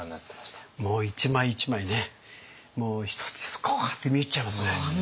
いやもう一枚一枚ねもう一つ一つこうやって見入っちゃいますね。